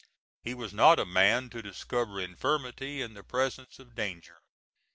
He was not a man to discover infirmity in the presence of danger.